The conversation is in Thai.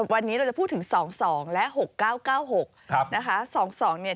วันนี้เราจะพูดถึง๒๒และ๖๙๙๖นะคะ